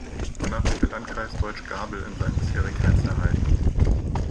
Danach blieb der Landkreis "Deutsch Gabel" in seinen bisherigen Grenzen erhalten.